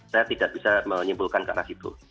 saya tidak bisa menyimpulkan ke arah situ